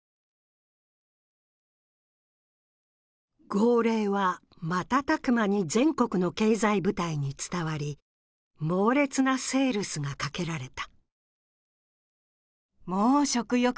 号令は瞬く間に全国の経済部隊に伝わり、猛烈なセールスがかけられた。